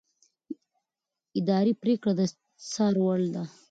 اداري پرېکړه د څار وړ ده.